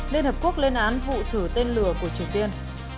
liên hợp quốc lên án vụ thử tên lửa của triều tiên